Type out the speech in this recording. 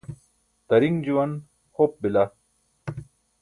tariṅ juwan hop bila